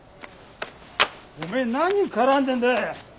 おめえ何絡んでんだ。